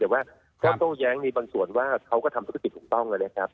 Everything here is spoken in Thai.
แต่ว่าเขาโต้แย้งในบางส่วนว่าเขาก็ทำศักดิ์ถูกต้องนะครับนะครับ